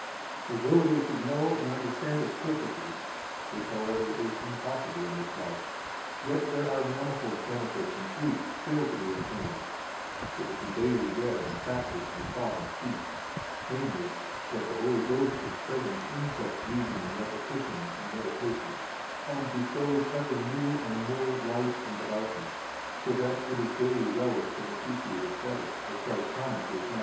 For though they should know and understand it perfectly (which, however, is impossible in this life), yet there are manifold benefits and fruits still to be obtained, if it be daily read and practised in thought and speech; namely, that the Holy Ghost is present in such reading and repetition and meditation, and bestows ever new and more light and devoutness, so that it is daily relished and appreciated better, as Christ promises, Matt.